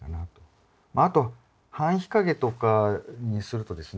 あと半日陰とかにするとですね